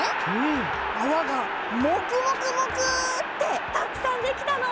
あわがもくもくもくってたくさんできたの！